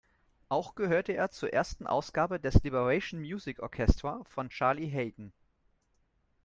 Auch gehörte er zur ersten Ausgabe des Liberation Music Orchestra von Charlie Haden.